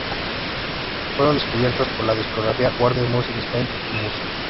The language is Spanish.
Fueron descubiertas por la discográfica Warner Music Spain y Must!